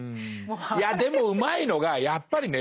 いやでもうまいのがやっぱりね